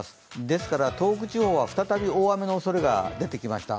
ですから東北地方は再び大雨もおそれが出てきました。